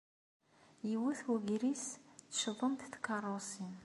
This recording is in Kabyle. Yewwet ugris teccḍent tkeṛṛusin.